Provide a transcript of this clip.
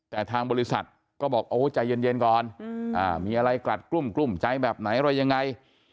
แต่ทางบริษัทก็บอกโอ้ใจเย็นก่อนมีอะไรกลัดกลุ้มใจแบบไหนอะไรยังไง